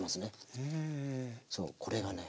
そうこれがね。